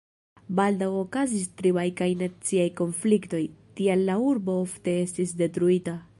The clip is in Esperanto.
Baldaŭ okazis tribaj kaj naciaj konfliktoj, tial la urbo ofte estis detruita.